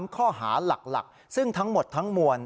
ข้อหาหลักซึ่งทั้งหมดทั้งมวล